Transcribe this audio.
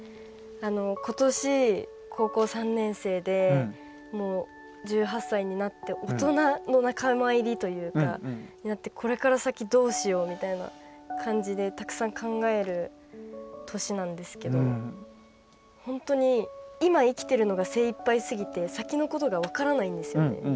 ことし、高校３年生で１８歳になって大人の仲間入りというかこれから先どうしようみたいな感じでたくさん考える年なんですけど本当に今、生きてるのが精いっぱいすぎて先のことが分からないんですよね。